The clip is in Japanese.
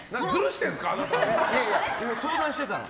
相談してたの。